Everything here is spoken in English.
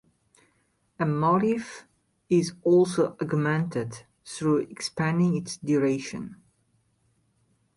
A motif is also augmented through expanding its duration.